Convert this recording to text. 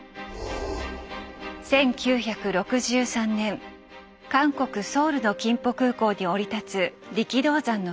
１９６３年韓国ソウルの金浦空港に降り立つ力道山の姿。